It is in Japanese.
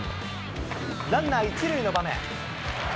ランナー１塁の場面。